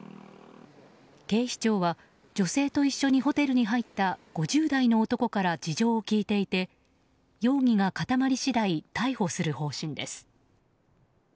警視庁は女性と一緒にホテルに入った５０代の男から事情を聴いていて容疑が固まり次第逮捕する方針です。